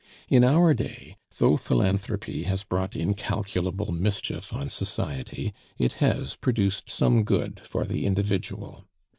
In our day, though philanthropy has brought incalculable mischief on society, it has produced some good for the individual.